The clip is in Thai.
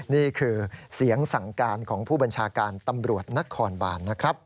นี่คือเสียงสั่งการของผู้บัญชาการตำรวจนครบานนะครับ